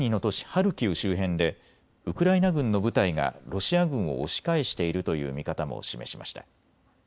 ハルキウ周辺でウクライナ軍の部隊がロシア軍を押し返しているという見方も示しました。